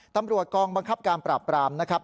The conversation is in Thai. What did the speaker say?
ตำรวจกองบังคับการปราบปรามนะครับ